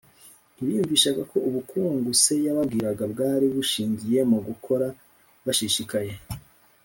Ntibiyumvishaga ko ubukungu se yababwiraga bwari bushingiye mu gukora bashishikaye